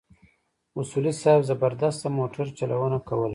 اصولي صیب زبردسته موټرچلونه کوله.